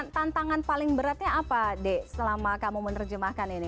oke itu tantangan paling beratnya apa de selama kamu menerjemahkan ini